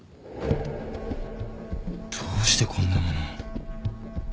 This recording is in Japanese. どうしてこんな物を。